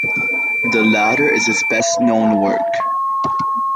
The latter is his best-known work.